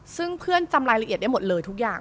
ซึ่งเพื่อนจำรายละเอียดได้หมดเลยทุกอย่าง